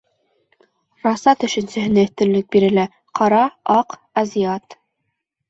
Раса төшөнсәһенә өҫтөнлөк бирелә — ҡара, аҡ, азиат...